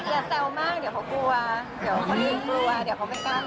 อย่าเต้วมากเดี๋ยวเขากลัว